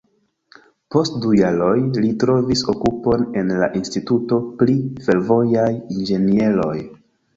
Post du jaroj, li trovis okupon en la Instituto pri Fervojaj Inĝenieroj.